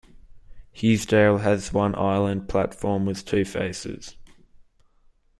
Hughesdale has one island platform with two faces.